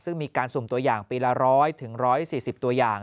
ซึ่งมีการสุ่มตัวอย่างปีละ๑๐๐๑๔๐ตัวอย่าง